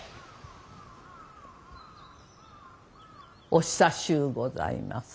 お久しゅうございます。